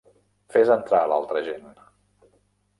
Fes entrar l'altra gent.